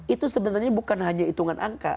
itu sebenarnya bukan hanya hitungan angka